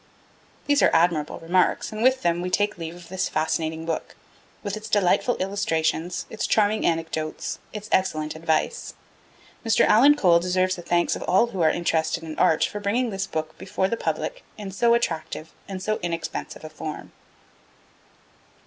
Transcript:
These are admirable remarks, and with them we take leave of this fascinating book, with its delightful illustrations, its charming anecdotes, its excellent advice. Mr. Alan Cole deserves the thanks of all who are interested in art for bringing this book before the public in so attractive and so inexpensive a form.